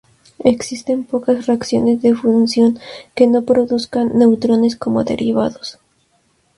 Existen pocas reacciones de fusión que no produzcan neutrones como derivados.